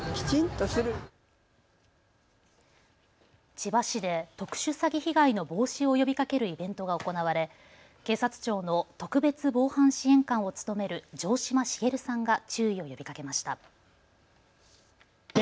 千葉市で特殊詐欺被害の防止を呼びかけるイベントが行われ警察庁の特別防犯支援官を務める城島茂さんが注意を呼びかけました。